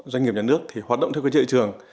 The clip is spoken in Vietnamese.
doanh nghiệp nhà nước thì hoạt động theo cái thị trường